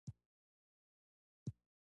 اسلام پاله مخالفان معیارونو برابر نه وو.